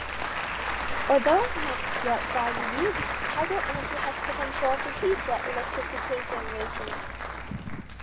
Although not yet widely used, tidal energy has potential for future electricity generation.